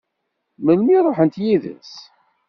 Melmi i ṛuḥent yid-s?